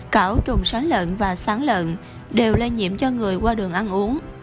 cảo trùng sán lợn và sán lợn đều lây nhiễm cho người qua đường ăn uống